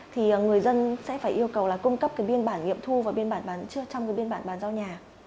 thì người dân sẽ phải yêu cầu là cung cấp cái biên bản nghiệm thu trong cái biên bản bàn giao nhà